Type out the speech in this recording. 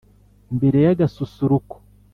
Mbere y’agasusuruko,